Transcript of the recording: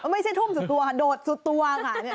ไม่ใช่ทุ่มสุดตัวค่ะโดดสุดตัวค่ะ